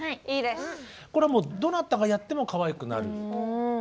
これはどなたがやってもかわいくなる。